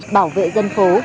bảo vệ dân phố